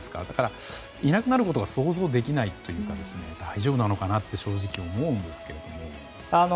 だからいなくなることが想像できないというか大丈夫なのかなと正直思うんですが。